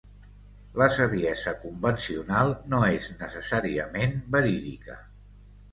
La saviesa convencional no és necessàriament verídica.